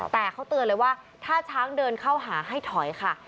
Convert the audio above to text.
แต่เขาเตือนเลยว่าถ้าช้างเดินเข้าหาให้ถอยค่ะ